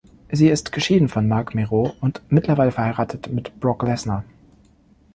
Sie ist geschieden von Marc Mero und mittlerweile verheiratet mit Brock Lesnar.